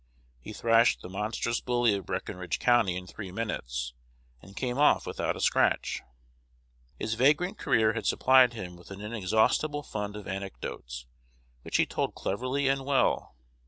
He thrashed the monstrous bully of Breckinridge County in three minutes, and came off without a scratch. His vagrant career had supplied him with an inexhaustible fund of anecdotes, which he told cleverly and well.